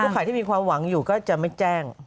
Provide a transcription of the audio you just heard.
ใครที่มีความหวังอยู่ก็จะไม่แจ้ง